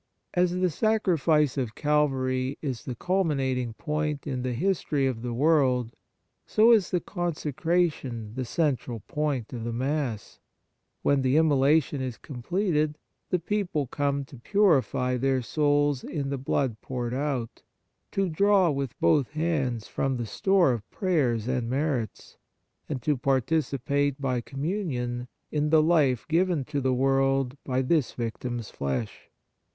As the Sacrifice of Calvary is the culminating point in the history of the world, so is the consecration the central point of the Mass. When the immolation is completed, the people come to purify their souls in the blood poured out, to draw with both hands from the store of prayers and merits, and to partici pate by communion in the life given to the world by this Victim s flesh.